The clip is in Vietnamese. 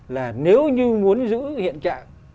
là nếu như muốn giữ hiện trạng